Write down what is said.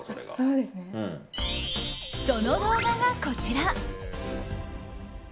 その動画が、こちら。